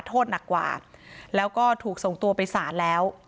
โทษหนักกว่าแล้วก็ถูกส่งตัวไปศาลแล้ว